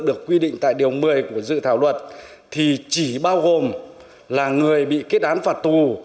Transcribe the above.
được quy định tại điều một mươi của dự thảo luật thì chỉ bao gồm là người bị kết án phạt tù